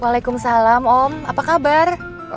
waalaikumsalam om apa kabar